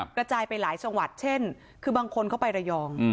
กระจายไปหลายจังหวัดเช่นคือบางคนเข้าไประยอง